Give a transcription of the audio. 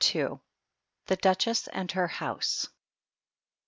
THE DUCHESS AND HEK HOUSE.